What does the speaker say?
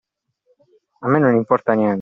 A me non importa niente.